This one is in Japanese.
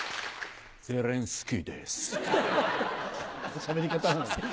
しゃべり方なんですか。